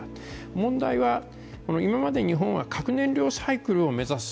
問題は今まで日本は核燃料サイクルを目指す